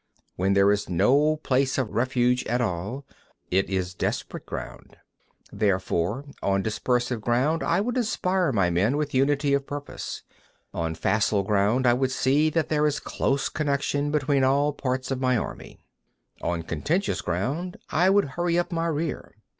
When there is no place of refuge at all, it is desperate ground. 46. Therefore, on dispersive ground, I would inspire my men with unity of purpose. On facile ground, I would see that there is close connection between all parts of my army. 47. On contentious ground, I would hurry up my rear. 48.